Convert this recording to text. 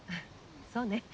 そうね。